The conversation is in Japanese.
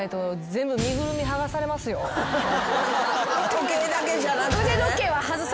時計だけじゃなくてね。